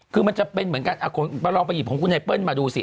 คือมันจะเป็นเมืองกันเราพอหยิบโขมขุนไนนับไฟเปิ้ลมาดูสิ